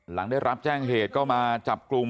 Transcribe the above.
หลังได้รับแจ้งเหตุก็มาจับกลุ่ม